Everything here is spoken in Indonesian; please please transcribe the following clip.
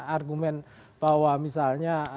argumen bahwa misalnya